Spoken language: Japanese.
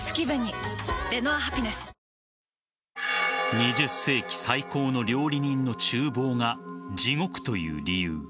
２０世紀最高の料理人の厨房が地獄という理由。